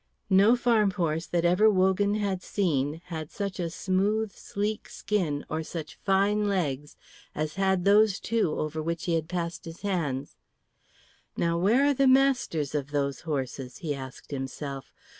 No farm horse that ever Wogan had seen had such a smooth sleek skin or such fine legs as had those two over which he had passed his hands. "Now where are the masters of those horses?" he asked himself.